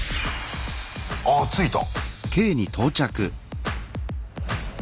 あっ着いた。